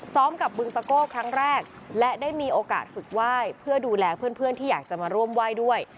กับบึงตะโก้ครั้งแรกและได้มีโอกาสฝึกไหว้เพื่อดูแลเพื่อนที่อยากจะมาร่วมไหว้ด้วย